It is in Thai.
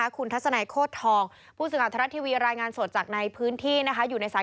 คุณทัศนัยโฆษธองผู้สึกอัธรรยาทราชทีวี